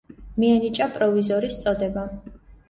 მიენიჭა პროვიზორის წოდება.